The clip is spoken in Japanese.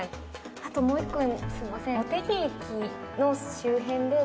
あともう一個すみません。